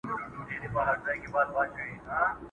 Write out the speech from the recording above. چي یو زه وای یوه ته وای!!